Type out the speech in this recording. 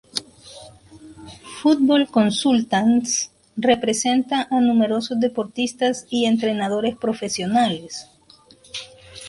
Futbol Consultants representa a numerosos deportistas y entrenadores profesionales.